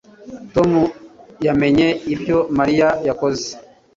Tom yamenye ibyo Mariya yakoze